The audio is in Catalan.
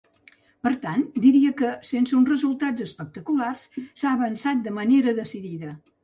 Per tant, diria que, sense uns resultats espectaculars, s’ha avançat de manera decidida.